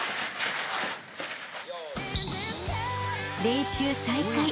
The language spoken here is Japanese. ［練習再開］